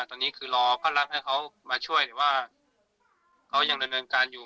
ตอนนี้คือรอก็รักให้เขามาช่วยหรือว่าเขายังดำเนินการอยู่